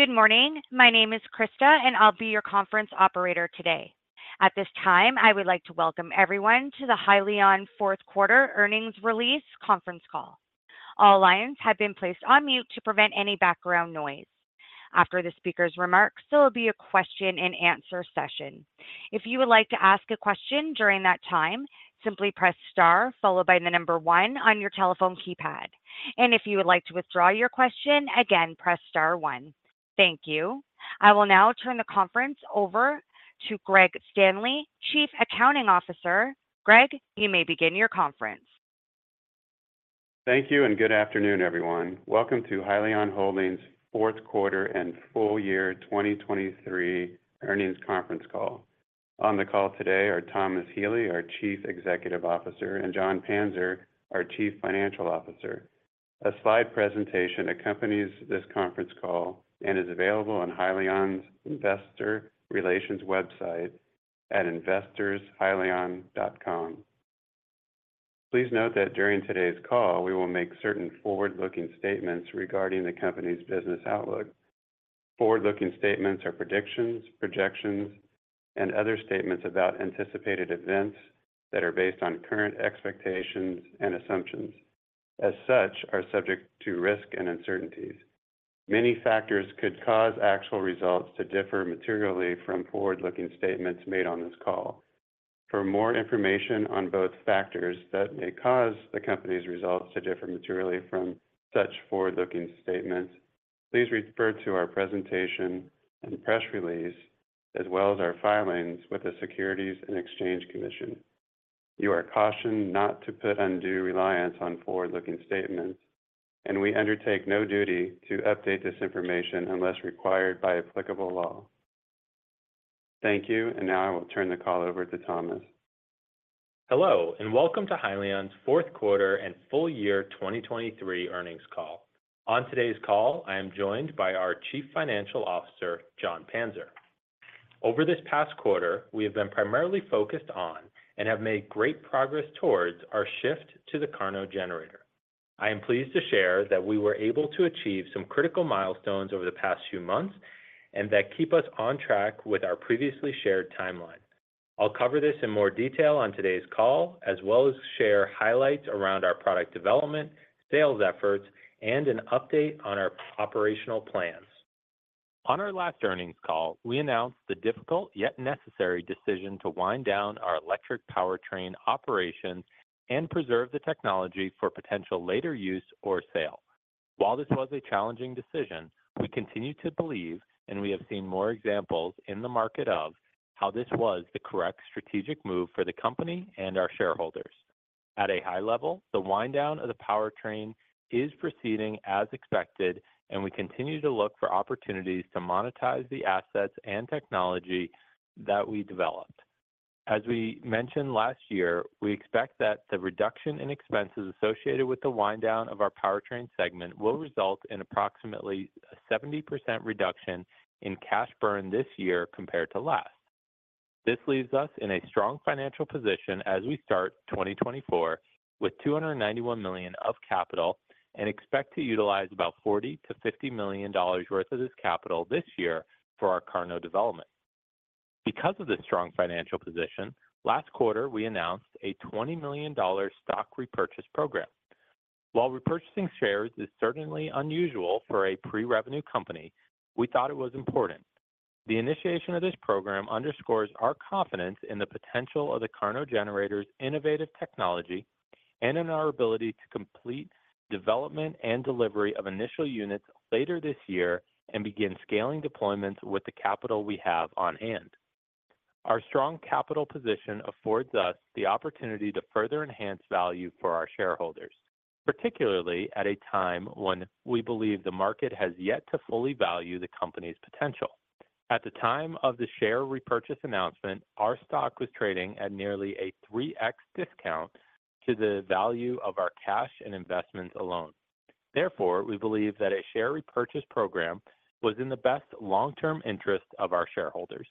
Good morning. My name is Krista, and I'll be your conference operator today. At this time, I would like to welcome everyone to the Hyliion fourth-quarter earnings release conference call. All lines have been placed on mute to prevent any background noise. After the speaker's remarks, there will be a question-and-answer session. If you would like to ask a question during that time, simply press star followed by the number 1 on your telephone keypad. If you would like to withdraw your question, again, press star one. Thank you. I will now turn the conference over to Greg Standley, Chief Accounting Officer. Greg, you may begin your conference. Thank you, and good afternoon, everyone. Welcome to Hyliion Holdings' Fourth Quarter and Full Year 2023 Earnings Conference Call. On the call today are Thomas Healy, our Chief Executive Officer, and Jon Panzer, our Chief Financial Officer. A slide presentation accompanies this conference call and is available on Hyliion's investor relations website at investors.hyliion.com. Please note that during today's call, we will make certain forward-looking statements regarding the company's business outlook. Forward-looking statements are predictions, projections, and other statements about anticipated events that are based on current expectations and assumptions. As such, they are subject to risk and uncertainties. Many factors could cause actual results to differ materially from forward-looking statements made on this call. For more information on both factors that may cause the company's results to differ materially from such forward-looking statements, please refer to our presentation and press release, as well as our filings with the Securities and Exchange Commission. You are cautioned not to put undue reliance on forward-looking statements, and we undertake no duty to update this information unless required by applicable law. Thank you, and now I will turn the call over to Thomas. Hello, and welcome to Hyliion's fourth quarter and full-year 2023 earnings call. On today's call, I am joined by our Chief Financial Officer, Jon Panzer. Over this past quarter, we have been primarily focused on and have made great progress towards our shift to the KARNO generator. I am pleased to share that we were able to achieve some critical milestones over the past few months and that keep us on track with our previously shared timeline. I'll cover this in more detail on today's call, as well as share highlights around our product development, sales efforts, and an update on our operational plans. On our last earnings call, we announced the difficult yet necessary decision to wind down our electric powertrain operations and preserve the technology for potential later use or sale. While this was a challenging decision, we continue to believe, and we have seen more examples in the market of, how this was the correct strategic move for the company and our shareholders. At a high level, the wind down of the powertrain is proceeding as expected, and we continue to look for opportunities to monetize the assets and technology that we developed. As we mentioned last year, we expect that the reduction in expenses associated with the wind down of our powertrain segment will result in approximately a 70% reduction in cash burn this year compared to last. This leaves us in a strong financial position as we start 2024 with $291 million of capital and expect to utilize about $40 million-$50 million worth of this capital this year for our KARNO development. Because of this strong financial position, last quarter we announced a $20 million stock repurchase program. While repurchasing shares is certainly unusual for a pre-revenue company, we thought it was important. The initiation of this program underscores our confidence in the potential of the KARNO generator's innovative technology and in our ability to complete development and delivery of initial units later this year and begin scaling deployments with the capital we have on hand. Our strong capital position affords us the opportunity to further enhance value for our shareholders, particularly at a time when we believe the market has yet to fully value the company's potential. At the time of the share repurchase announcement, our stock was trading at nearly a 3x discount to the value of our cash and investments alone. Therefore, we believe that a share repurchase program was in the best long-term interest of our shareholders.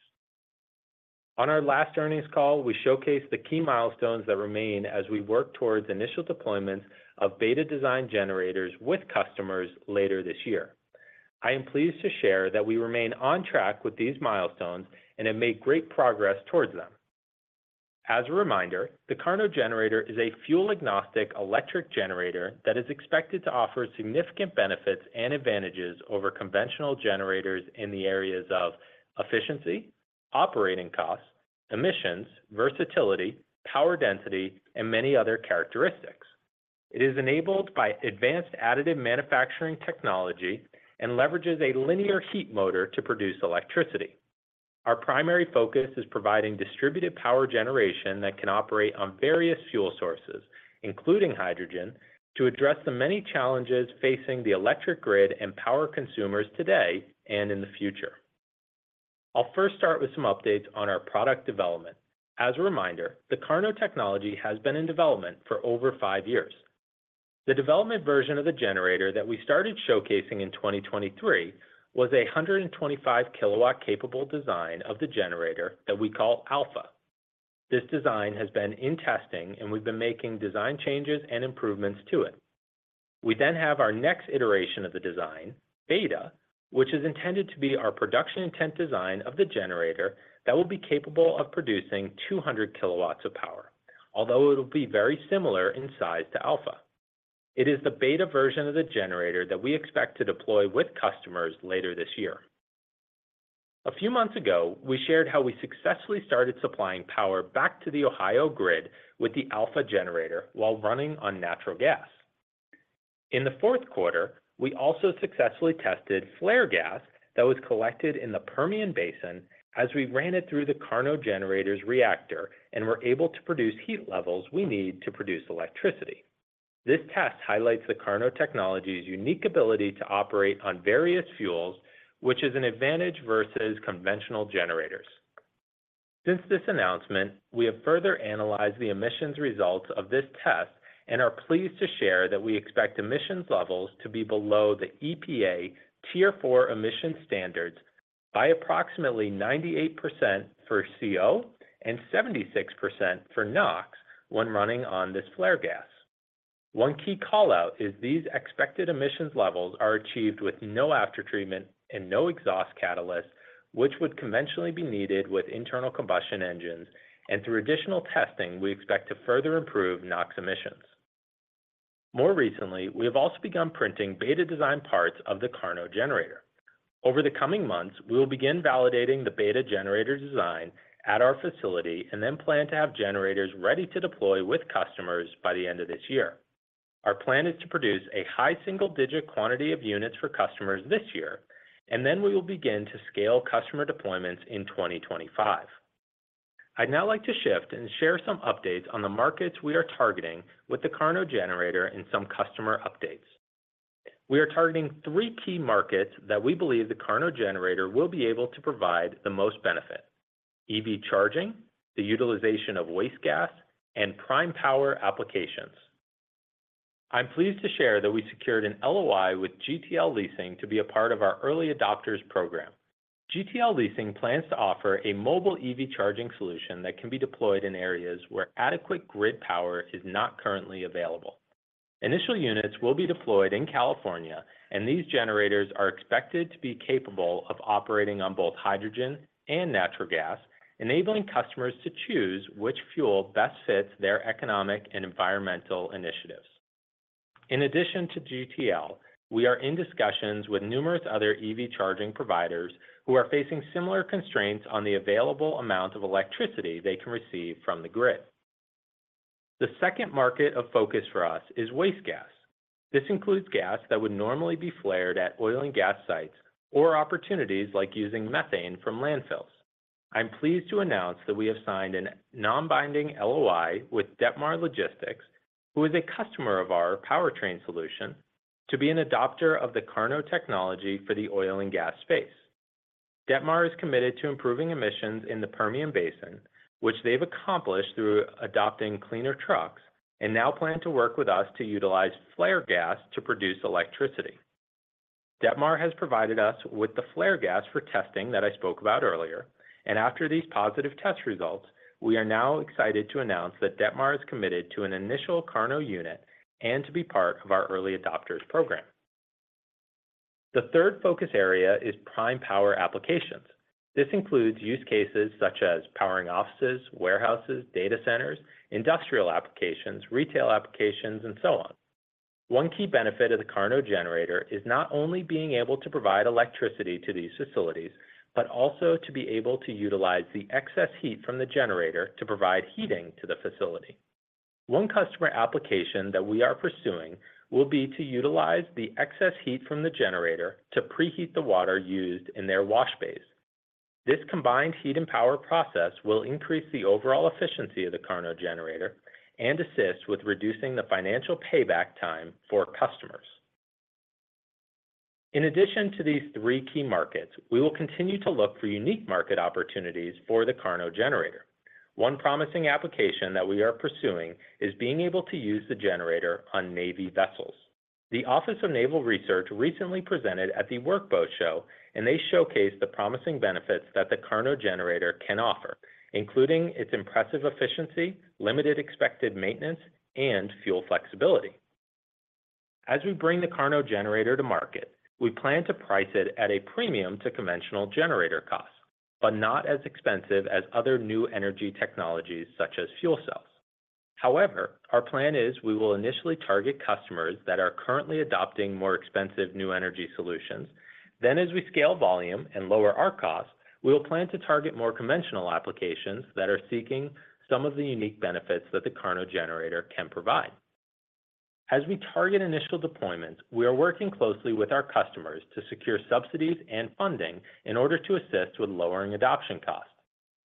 On our last earnings call, we showcased the key milestones that remain as we work towards initial deployments of Beta design generators with customers later this year. I am pleased to share that we remain on track with these milestones and have made great progress towards them. As a reminder, the KARNO generator is a fuel-agnostic electric generator that is expected to offer significant benefits and advantages over conventional generators in the areas of efficiency, operating costs, emissions, versatility, power density, and many other characteristics. It is enabled by advanced additive manufacturing technology and leverages a linear heat motor to produce electricity. Our primary focus is providing distributed power generation that can operate on various fuel sources, including hydrogen, to address the many challenges facing the electric grid and power consumers today and in the future. I'll first start with some updates on our product development. As a reminder, the KARNO technology has been in development for over five years. The development version of the generator that we started showcasing in 2023 was a 125 kW capable design of the generator that we call Alpha. This design has been in testing, and we've been making design changes and improvements to it. We then have our next iteration of the design, Beta, which is intended to be our production intent design of the generator that will be capable of producing 200 kW of power, although it will be very similar in size to Alpha. It is the Beta version of the generator that we expect to deploy with customers later this year. A few months ago, we shared how we successfully started supplying power back to the Ohio grid with the Alpha generator while running on natural gas. In the fourth quarter, we also successfully tested flare gas that was collected in the Permian Basin as we ran it through the KARNO generator's reactor and were able to produce heat levels we need to produce electricity. This test highlights the KARNO technology's unique ability to operate on various fuels, which is an advantage versus conventional generators. Since this announcement, we have further analyzed the emissions results of this test and are pleased to share that we expect emissions levels to be below the EPA Tier 4 emission standards by approximately 98% for CO and 76% for NOx when running on this flare gas. One key callout is these expected emissions levels are achieved with no aftertreatment and no exhaust catalyst, which would conventionally be needed with internal combustion engines, and through additional testing we expect to further improve NOx emissions. More recently, we have also begun printing Beta design parts of the KARNO generator. Over the coming months, we will begin validating the Beta generator design at our facility and then plan to have generators ready to deploy with customers by the end of this year. Our plan is to produce a high single-digit quantity of units for customers this year, and then we will begin to scale customer deployments in 2025. I'd now like to shift and share some updates on the markets we are targeting with the KARNO generator and some customer updates. We are targeting three key markets that we believe the KARNO generator will be able to provide the most benefit: EV charging, the utilization of waste gas, and prime power applications. I'm pleased to share that we secured an LOI with GTL Leasing to be a part of our early adopters program. GTL Leasing plans to offer a mobile EV charging solution that can be deployed in areas where adequate grid power is not currently available. Initial units will be deployed in California, and these generators are expected to be capable of operating on both hydrogen and natural gas, enabling customers to choose which fuel best fits their economic and environmental initiatives. In addition to GTL, we are in discussions with numerous other EV charging providers who are facing similar constraints on the available amount of electricity they can receive from the grid. The second market of focus for us is waste gas. This includes gas that would normally be flared at oil and gas sites or opportunities like using methane from landfills. I'm pleased to announce that we have signed a non-binding LOI with Detmar Logistics, who is a customer of our powertrain solution, to be an adopter of the KARNO technology for the oil and gas space. Detmar is committed to improving emissions in the Permian Basin, which they've accomplished through adopting cleaner trucks and now plan to work with us to utilize flare gas to produce electricity. Detmar has provided us with the flare gas for testing that I spoke about earlier, and after these positive test results, we are now excited to announce that Detmar is committed to an initial KARNO unit and to be part of our early adopters program. The third focus area is prime power applications. This includes use cases such as powering offices, warehouses, data centers, industrial applications, retail applications, and so on. One key benefit of the KARNO generator is not only being able to provide electricity to these facilities but also to be able to utilize the excess heat from the generator to provide heating to the facility. One customer application that we are pursuing will be to utilize the excess heat from the generator to preheat the water used in their wash bays. This combined heat and power process will increase the overall efficiency of the KARNO generator and assist with reducing the financial payback time for customers. In addition to these three key markets, we will continue to look for unique market opportunities for the KARNO generator. One promising application that we are pursuing is being able to use the generator on Navy vessels. The Office of Naval Research recently presented at the Workboat Show, and they showcased the promising benefits that the KARNO generator can offer, including its impressive efficiency, limited expected maintenance, and fuel flexibility. As we bring the KARNO generator to market, we plan to price it at a premium to conventional generator costs, but not as expensive as other new energy technologies such as fuel cells. However, our plan is we will initially target customers that are currently adopting more expensive new energy solutions, then as we scale volume and lower our costs, we will plan to target more conventional applications that are seeking some of the unique benefits that the KARNO generator can provide. As we target initial deployments, we are working closely with our customers to secure subsidies and funding in order to assist with lowering adoption costs.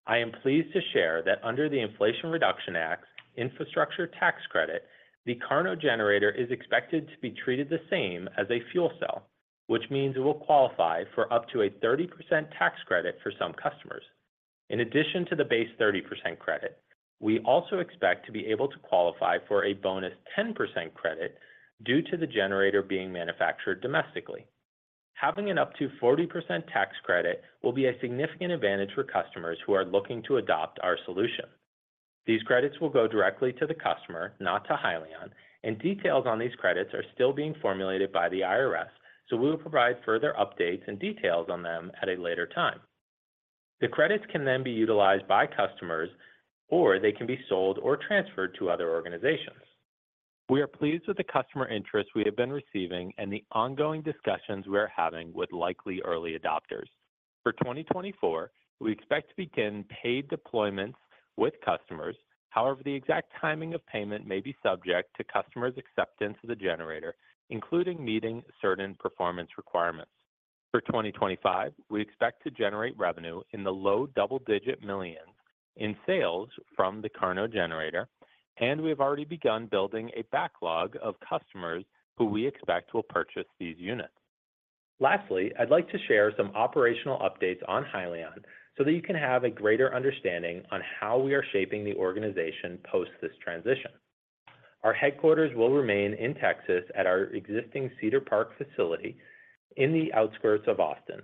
I am pleased to share that under the Inflation Reduction Act's Infrastructure Tax Credit, the KARNO generator is expected to be treated the same as a fuel cell, which means it will qualify for up to a 30% tax credit for some customers. In addition to the base 30% credit, we also expect to be able to qualify for a bonus 10% credit due to the generator being manufactured domestically. Having an up to 40% tax credit will be a significant advantage for customers who are looking to adopt our solution. These credits will go directly to the customer, not to Hyliion, and details on these credits are still being formulated by the IRS, so we will provide further updates and details on them at a later time. The credits can then be utilized by customers, or they can be sold or transferred to other organizations. We are pleased with the customer interest we have been receiving and the ongoing discussions we are having with likely early adopters. For 2024, we expect to begin paid deployments with customers; however, the exact timing of payment may be subject to customers' acceptance of the generator, including meeting certain performance requirements. For 2025, we expect to generate revenue in the low double-digit millions in sales from the KARNO generator, and we have already begun building a backlog of customers who we expect will purchase these units. Lastly, I'd like to share some operational updates on Hyliion so that you can have a greater understanding on how we are shaping the organization post this transition. Our headquarters will remain in Texas at our existing Cedar Park facility in the outskirts of Austin.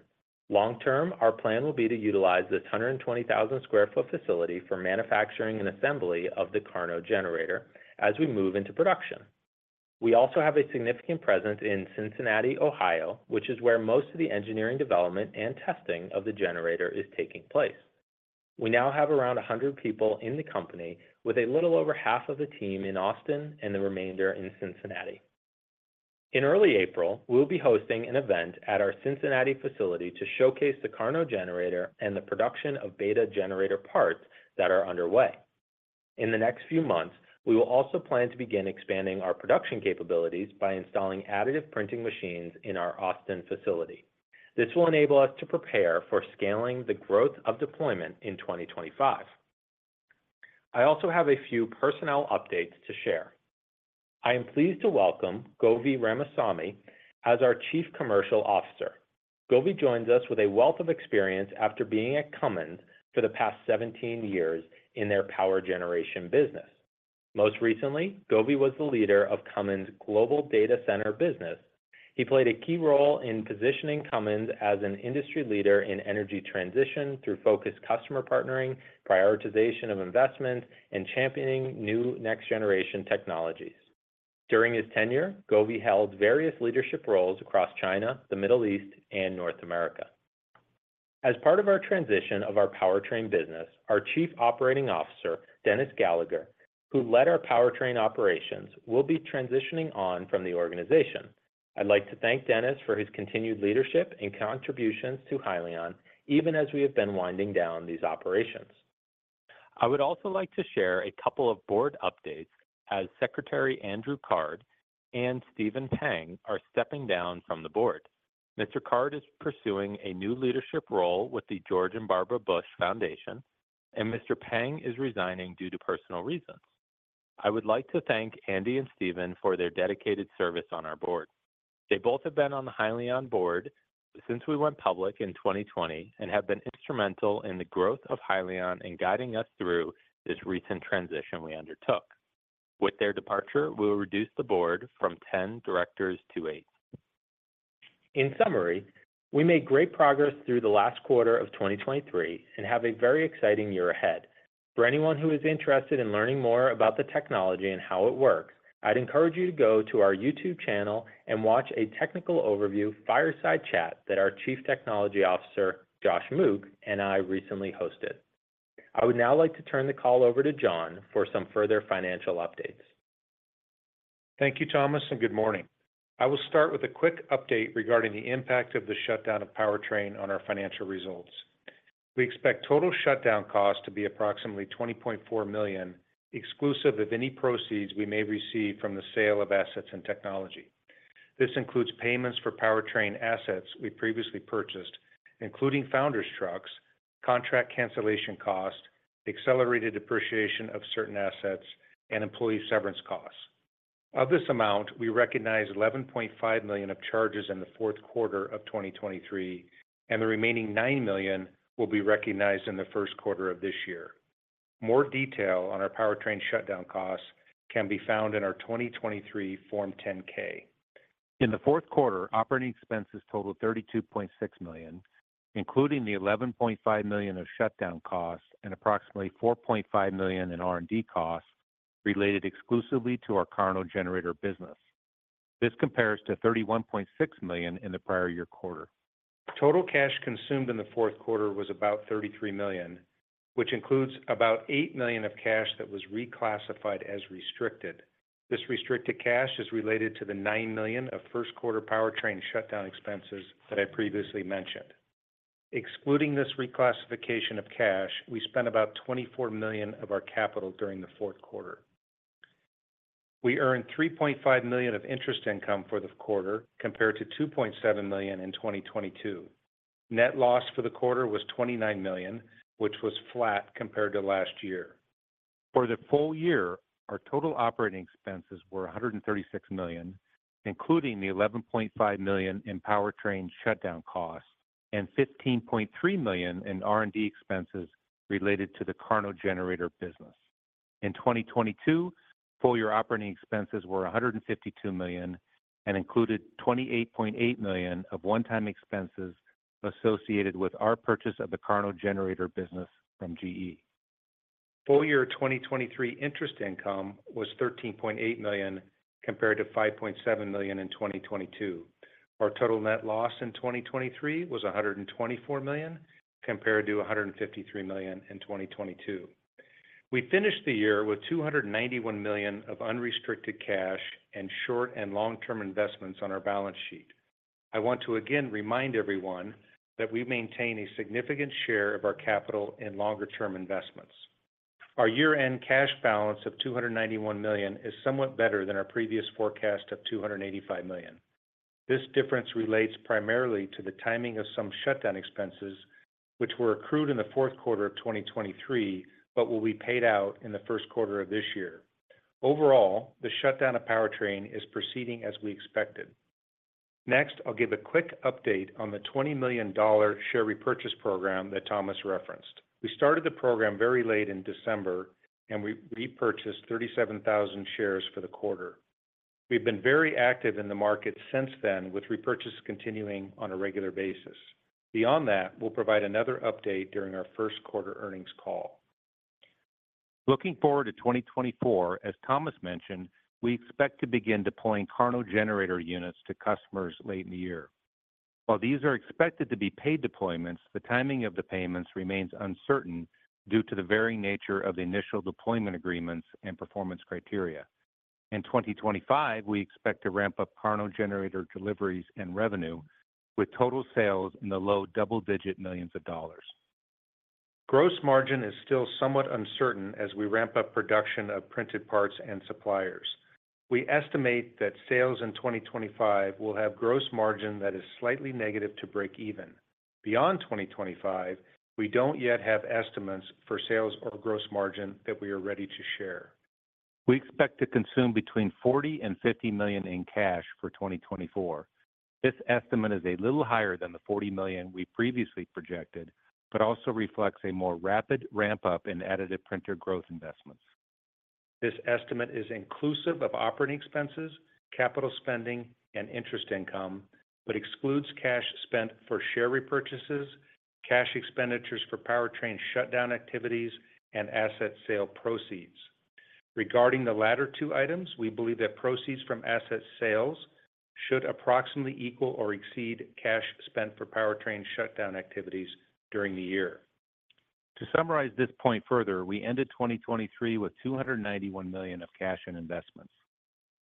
Long term, our plan will be to utilize this 120,000 sq ft facility for manufacturing and assembly of the KARNO generator as we move into production. We also have a significant presence in Cincinnati, Ohio, which is where most of the engineering development and testing of the generator is taking place. We now have around 100 people in the company, with a little over half of the team in Austin and the remainder in Cincinnati. In early April, we will be hosting an event at our Cincinnati facility to showcase the KARNO generator and the production of Beta generator parts that are underway. In the next few months, we will also plan to begin expanding our production capabilities by installing additive printing machines in our Austin facility. This will enable us to prepare for scaling the growth of deployment in 2025. I also have a few personnel updates to share. I am pleased to welcome Govi Ramasamy as our Chief Commercial Officer. Govi joins us with a wealth of experience after being at Cummins for the past 17 years in their power generation business. Most recently, Govi was the leader of Cummins Global Data Center business. He played a key role in positioning Cummins as an industry leader in energy transition through focused customer partnering, prioritization of investments, and championing new next-generation technologies. During his tenure, Govi held various leadership roles across China, the Middle East, and North America. As part of our transition of our powertrain business, our Chief Operating Officer, Dennis Gallagher, who led our powertrain operations, will be transitioning on from the organization. I'd like to thank Dennis for his continued leadership and contributions to Hyliion, even as we have been winding down these operations. I would also like to share a couple of board updates as Secretary Andrew Card and Stephen Pang are stepping down from the board. Mr. Card is pursuing a new leadership role with the George and Barbara Bush Foundation, and Mr. Pang is resigning due to personal reasons. I would like to thank Andy and Stephen for their dedicated service on our board. They both have been on the Hyliion board since we went public in 2020 and have been instrumental in the growth of Hyliion and guiding us through this recent transition we undertook. With their departure, we will reduce the board from 10 directors to eight. In summary, we made great progress through the last quarter of 2023 and have a very exciting year ahead. For anyone who is interested in learning more about the technology and how it works, I'd encourage you to go to our YouTube channel and watch a technical overview fireside chat that our Chief Technology Officer, Josh Mook, and I recently hosted. I would now like to turn the call over to Jon for some further financial updates. Thank you, Thomas, and good morning. I will start with a quick update regarding the impact of the shutdown of powertrain on our financial results. We expect total shutdown costs to be approximately $20.4 million, exclusive of any proceeds we may receive from the sale of assets and technology. This includes payments for powertrain assets we previously purchased, including Founders' trucks, contract cancellation costs, accelerated depreciation of certain assets, and employee severance costs. Of this amount, we recognize $11.5 million of charges in the fourth quarter of 2023, and the remaining $9 million will be recognized in the first quarter of this year. More detail on our powertrain shutdown costs can be found in our 2023 Form 10-K. In the fourth quarter, operating expenses totaled $32.6 million, including the $11.5 million of shutdown costs and approximately $4.5 million in R&D costs related exclusively to our KARNO generator business. This compares to $31.6 million in the prior year quarter. Total cash consumed in the fourth quarter was about $33 million, which includes about $8 million of cash that was reclassified as restricted. This restricted cash is related to the $9 million of first-quarter powertrain shutdown expenses that I previously mentioned. Excluding this reclassification of cash, we spent about $24 million of our capital during the fourth quarter. We earned $3.5 million of interest income for the quarter compared to $2.7 million in 2022. Net loss for the quarter was $29 million, which was flat compared to last year. For the full year, our total operating expenses were $136 million, including the $11.5 million in powertrain shutdown costs and $15.3 million in R&D expenses related to the KARNO generator business. In 2022, full-year operating expenses were $152 million and included $28.8 million of one-time expenses associated with our purchase of the KARNO generator business from GE. Full-year 2023 interest income was $13.8 million compared to $5.7 million in 2022. Our total net loss in 2023 was $124 million compared to $153 million in 2022. We finished the year with $291 million of unrestricted cash and short- and long-term investments on our balance sheet. I want to again remind everyone that we maintain a significant share of our capital in longer-term investments. Our year-end cash balance of $291 million is somewhat better than our previous forecast of $285 million. This difference relates primarily to the timing of some shutdown expenses, which were accrued in the fourth quarter of 2023 but will be paid out in the first quarter of this year. Overall, the shutdown of powertrain is proceeding as we expected. Next, I'll give a quick update on the $20 million share repurchase program that Thomas referenced. We started the program very late in December, and we repurchased 37,000 shares for the quarter. We've been very active in the market since then, with repurchase continuing on a regular basis. Beyond that, we'll provide another update during our first quarter earnings call. Looking forward to 2024, as Thomas mentioned, we expect to begin deploying KARNO generator units to customers late in the year. While these are expected to be paid deployments, the timing of the payments remains uncertain due to the varying nature of the initial deployment agreements and performance criteria. In 2025, we expect to ramp up KARNO generator deliveries and revenue, with total sales in the low double-digit millions of dollars. Gross margin is still somewhat uncertain as we ramp up production of printed parts and suppliers. We estimate that sales in 2025 will have gross margin that is slightly negative to break even. Beyond 2025, we don't yet have estimates for sales or gross margin that we are ready to share. We expect to consume between $40 million and $50 million in cash for 2024. This estimate is a little higher than the $40 million we previously projected but also reflects a more rapid ramp-up in additive printer growth investments. This estimate is inclusive of operating expenses, capital spending, and interest income but excludes cash spent for share repurchases, cash expenditures for powertrain shutdown activities, and asset sale proceeds. Regarding the latter two items, we believe that proceeds from asset sales should approximately equal or exceed cash spent for powertrain shutdown activities during the year. To summarize this point further, we ended 2023 with $291 million of cash in investments.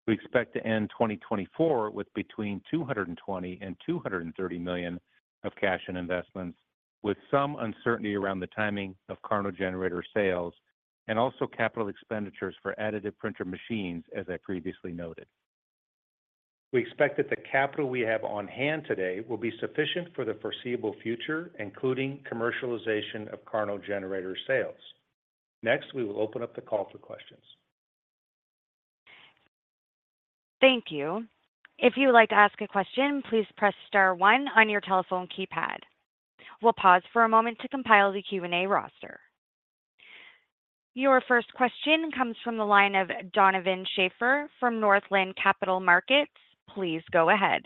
We expect to end 2024 with between $220 million-$230 million of cash in investments, with some uncertainty around the timing of KARNO generator sales and also capital expenditures for additive printing machines, as I previously noted. We expect that the capital we have on hand today will be sufficient for the foreseeable future, including commercialization of KARNO generator sales. Next, we will open up the call for questions. Thank you. If you would like to ask a question, please press star 1 on your telephone keypad. We'll pause for a moment to compile the Q&A roster. Your first question comes from the line of Donovan Schafer from Northland Capital Markets. Please go ahead.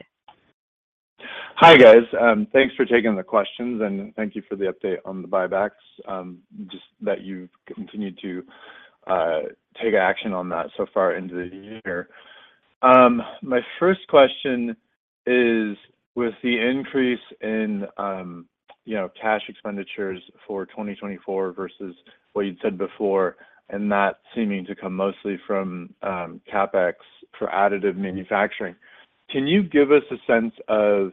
Hi, guys. Thanks for taking the questions, and thank you for the update on the buybacks, just that you've continued to take action on that so far into the year. My first question is, with the increase in cash expenditures for 2024 versus what you'd said before and that seeming to come mostly from CapEx for additive manufacturing, can you give us a sense of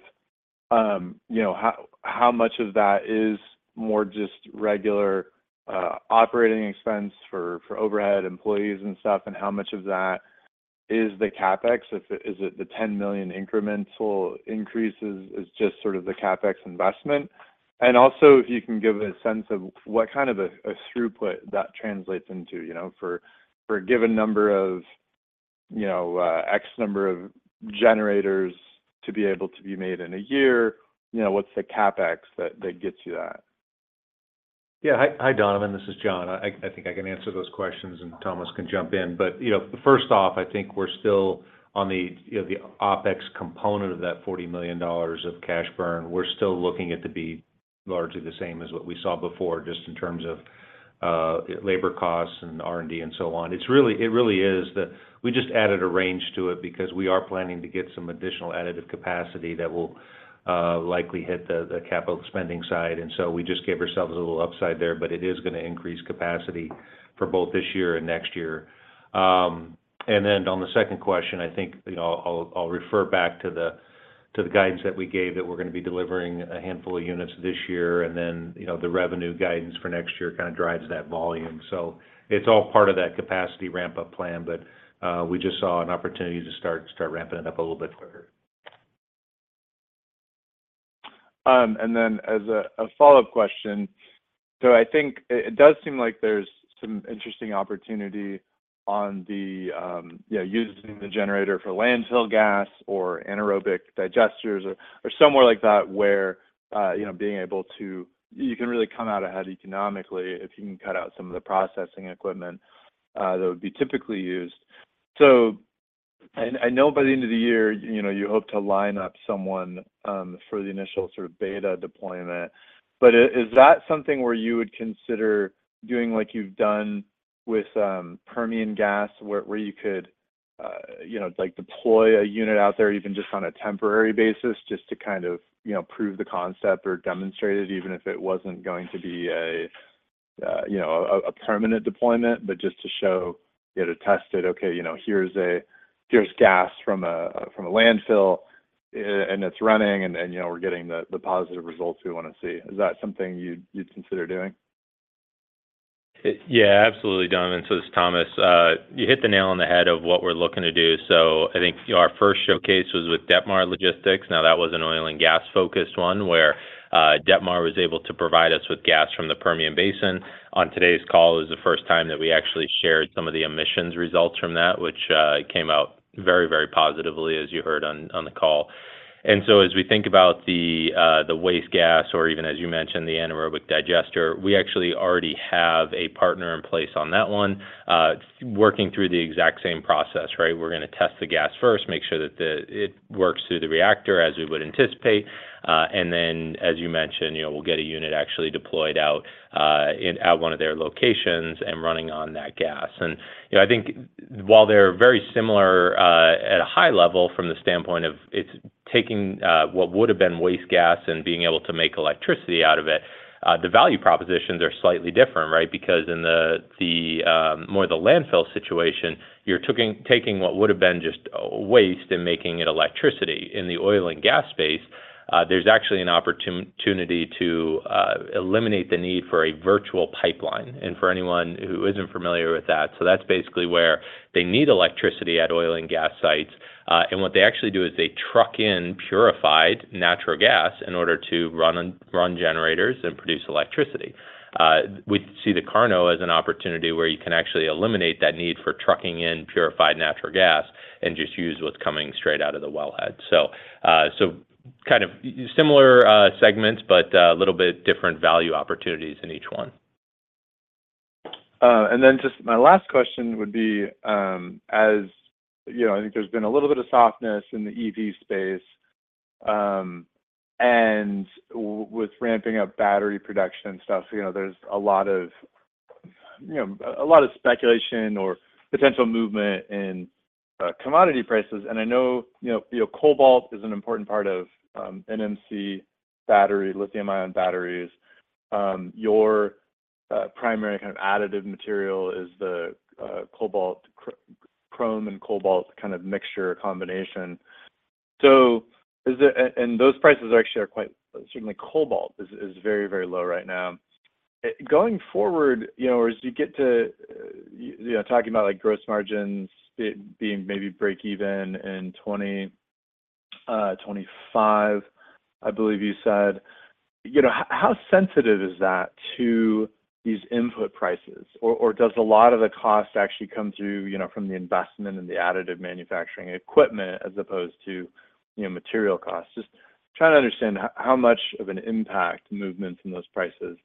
how much of that is more just regular operating expense for overhead employees and stuff, and how much of that is the CapEx? Is it the $10 million incremental increase is just sort of the CapEx investment? And also, if you can give a sense of what kind of a throughput that translates into for a given number of X number of generators to be able to be made in a year, what's the CapEx that gets you that? Yeah. Hi, Donovan. This is Jon. I think I can answer those questions, and Thomas can jump in. But first off, I think we're still on the OpEx component of that $40 million of cash burn. We're still looking it to be largely the same as what we saw before, just in terms of labor costs and R&D and so on. It really is that we just added a range to it because we are planning to get some additional additive capacity that will likely hit the capital spending side. And so we just gave ourselves a little upside there, but it is going to increase capacity for both this year and next year. And then on the second question, I think I'll refer back to the guidance that we gave that we're going to be delivering a handful of units this year, and then the revenue guidance for next year kind of drives that volume. So it's all part of that capacity ramp-up plan, but we just saw an opportunity to start ramping it up a little bit quicker. And then, as a follow-up question, so I think it does seem like there's some interesting opportunity on using the generator for landfill gas or anaerobic digesters or somewhere like that where being able to you can really come out ahead economically if you can cut out some of the processing equipment that would be typically used. So I know by the end of the year, you hope to line up someone for the initial sort of beta deployment. But is that something where you would consider doing like you've done with Permian gas, where you could deploy a unit out there even just on a temporary basis just to kind of prove the concept or demonstrate it, even if it wasn't going to be a permanent deployment, but just to show, get it tested, "Okay, here's gas from a landfill, and it's running, and we're getting the positive results we want to see." Is that something you'd consider doing? Yeah, absolutely, Donovan. So this is Thomas. You hit the nail on the head of what we're looking to do. So I think our first showcase was with Detmar Logistics. Now, that was an oil and gas-focused one where Detmar was able to provide us with gas from the Permian Basin. On today's call, it was the first time that we actually shared some of the emissions results from that, which came out very, very positively, as you heard on the call. And so as we think about the waste gas or even, as you mentioned, the anaerobic digester, we actually already have a partner in place on that one, working through the exact same process, right? We're going to test the gas first, make sure that it works through the reactor as we would anticipate. And then, as you mentioned, we'll get a unit actually deployed out at one of their locations and running on that gas. And I think while they're very similar at a high level from the standpoint of it's taking what would have been waste gas and being able to make electricity out of it, the value propositions are slightly different, right? Because in more the landfill situation, you're taking what would have been just waste and making it electricity. In the oil and gas space, there's actually an opportunity to eliminate the need for a virtual pipeline and for anyone who isn't familiar with that. So that's basically where they need electricity at oil and gas sites. And what they actually do is they truck in purified natural gas in order to run generators and produce electricity. We see the KARNO as an opportunity where you can actually eliminate that need for trucking in purified natural gas and just use what's coming straight out of the wellhead. So kind of similar segments, but a little bit different value opportunities in each one. And then just my last question would be, as I think there's been a little bit of softness in the EV space and with ramping up battery production and stuff, there's a lot of speculation or potential movement in commodity prices. And I know cobalt is an important part of NMC battery, lithium-ion batteries. Your primary kind of additive material is the chrome and cobalt kind of mixture combination. And those prices actually are quite certainly, cobalt is very, very low right now. Going forward, or as you get to talking about gross margins being maybe break even in 2025, I believe you said, how sensitive is that to these input prices? Or does a lot of the cost actually come through from the investment in the additive manufacturing equipment as opposed to material costs? Just trying to understand how much of an impact movements in those prices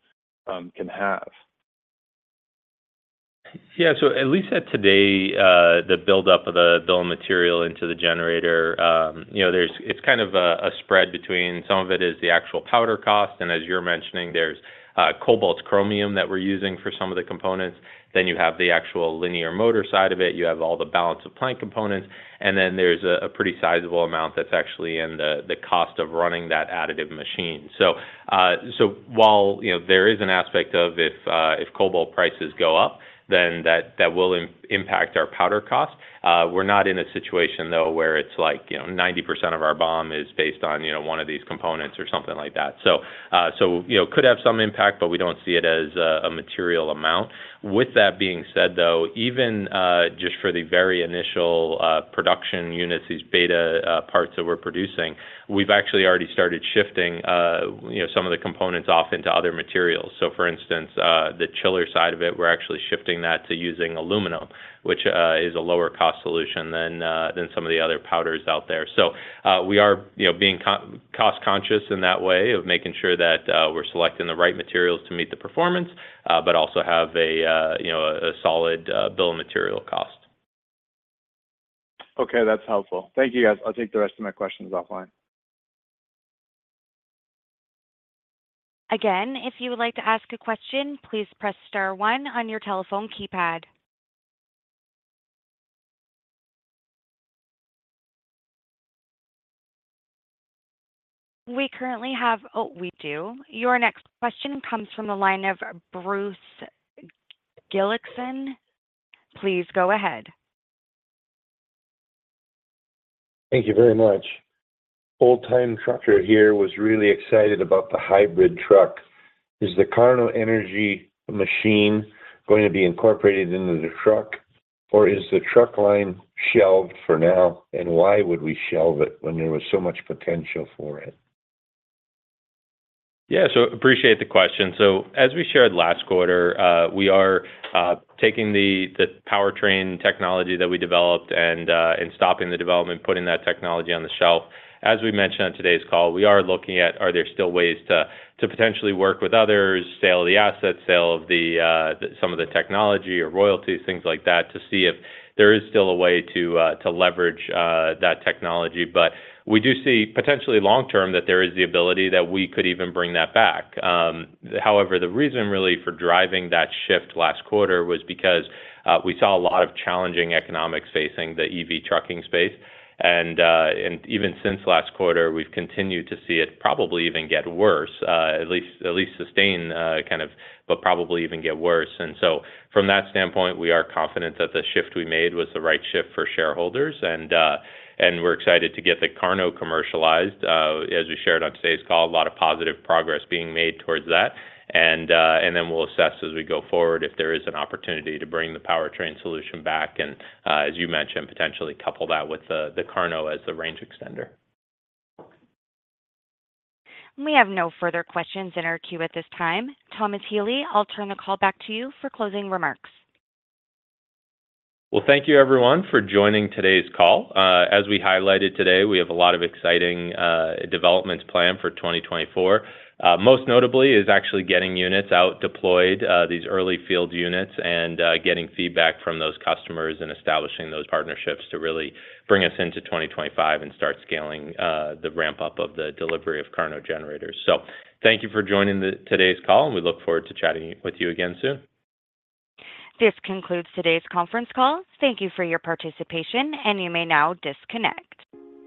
can have. Yeah. So at least at today, the buildup of the bill of material into the generator, it's kind of a spread between some of it is the actual powder cost. And as you're mentioning, there's cobalt chromium that we're using for some of the components. Then you have the actual linear motor side of it. You have all the balance of plant components. And then there's a pretty sizable amount that's actually in the cost of running that additive machine. So while there is an aspect of if cobalt prices go up, then that will impact our powder cost. We're not in a situation, though, where it's like 90% of our BOM is based on one of these components or something like that. So could have some impact, but we don't see it as a material amount. With that being said, though, even just for the very initial production units, these beta parts that we're producing, we've actually already started shifting some of the components off into other materials. So for instance, the chiller side of it, we're actually shifting that to using aluminum, which is a lower-cost solution than some of the other powders out there. So we are being cost-conscious in that way of making sure that we're selecting the right materials to meet the performance but also have a solid bill of material cost. Okay. That's helpful. Thank you, guys. I'll take the rest of my questions offline. Again, if you would like to ask a question, please press star 1 on your telephone keypad. We currently have, we do. Your next question comes from the line of Bruce [Gillickson]. Please go ahead. Thank you very much. Old-time trucker here was really excited about the hybrid truck. Is the KARNO machine going to be incorporated into the truck, or is the truck line shelved for now? And why would we shelve it when there was so much potential for it? Yeah. So appreciate the question. So as we shared last quarter, we are taking the powertrain technology that we developed and stopping the development, putting that technology on the shelf. As we mentioned on today's call, we are looking at, are there still ways to potentially work with others, sale of the assets, sale of some of the technology or royalties, things like that, to see if there is still a way to leverage that technology. But we do see potentially long-term that there is the ability that we could even bring that back. However, the reason really for driving that shift last quarter was because we saw a lot of challenging economics facing the EV trucking space. And even since last quarter, we've continued to see it probably even get worse, at least sustain kind of but probably even get worse. So from that standpoint, we are confident that the shift we made was the right shift for shareholders. We're excited to get the KARNO commercialized. As we shared on today's call, a lot of positive progress being made towards that. Then we'll assess as we go forward if there is an opportunity to bring the powertrain solution back and, as you mentioned, potentially couple that with the KARNO as the range extender. We have no further questions in our queue at this time. Thomas Healy, I'll turn the call back to you for closing remarks. Well, thank you, everyone, for joining today's call. As we highlighted today, we have a lot of exciting developments planned for 2024. Most notably is actually getting units out deployed, these early field units, and getting feedback from those customers and establishing those partnerships to really bring us into 2025 and start scaling the ramp-up of the delivery of KARNO generators. So thank you for joining today's call, and we look forward to chatting with you again soon. This concludes today's conference call. Thank you for your participation, and you may now disconnect.